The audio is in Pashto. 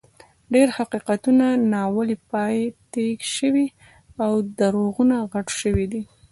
ډېر حقیقتونه ناویلي پاتې شوي او دروغونه غټ شوي دي.